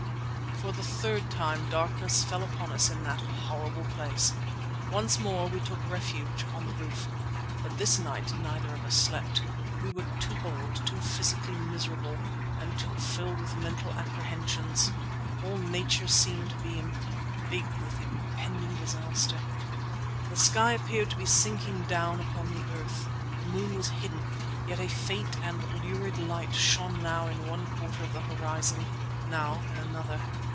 For the third time darkness fell upon us in that horrible place. Once more we took refuge on the roof, but this night neither of us slept. We were too cold, too physically miserable, and too filled with mental apprehensions. All nature seemed to be big with impending disaster. The sky appeared to be sinking down upon the earth. The moon was hidden, yet a faint and lurid light shone now in one quarter of the horizon, now in another.